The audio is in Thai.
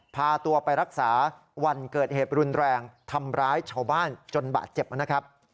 พาตัวไปรักษาวันเกิดเหตุรุนแรงทำร้ายชาวบ้านจนบาดเจ็บนะครับ